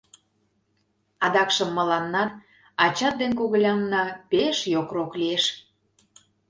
Адакшым мыланнат, ачат ден когылянна, пеш йокрок лиеш.